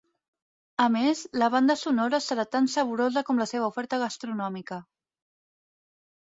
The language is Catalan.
A més, la banda sonora serà tan saborosa com la seva oferta gastronòmica.